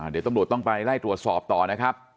เดี๋ยวตำรวจต้องไปไล่ตรวจสอบต่อนะครับ